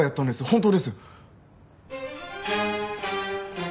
本当です。